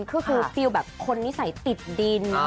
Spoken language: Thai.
คือคือรู้สึกแบบคนนิสัยติดดิน